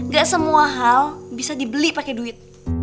gak semua hal bisa dibeli pakai duit